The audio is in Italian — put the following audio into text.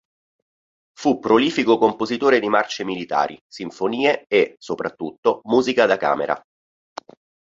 Fu prolifico compositore di marce militari, sinfonie e, soprattutto, musica da camera.